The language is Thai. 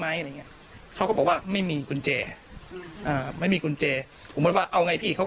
เพื่อให้ช่วยประสานเจ้าหน้าที่ปกครองชุดดังกล่าว